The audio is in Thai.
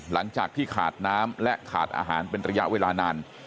หลังจากที่ขาดน้ำและขาดอาหารเป็นระยะเวลานาน